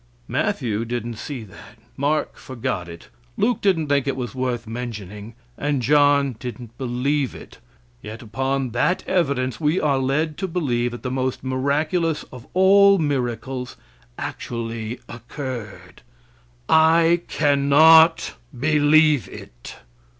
Matthew didn't see that; Mark forgot it; Luke didn't think it was worth mentioning, and John didn't believe it; and yet upon that evidence we are led to believe that the most miraculous of all miracles actually occurred. I cannot believe it.